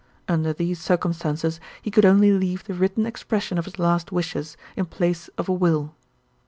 Under these circumstances, he could only leave the written expression of his last wishes, in place of a will.